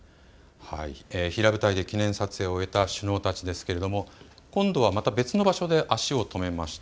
平舞台で記念撮影を終えた首脳たちですけれども今度はまた別の場所で足を止めました。